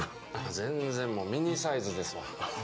全然もうミニサイズですわ。